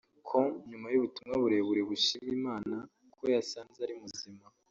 com nyuma y’ubutumwa burebure bushima Imana ko yasanze ari muzima